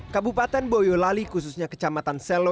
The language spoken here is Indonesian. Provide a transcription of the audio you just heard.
kabupaten boyolali khususnya kecamatan selo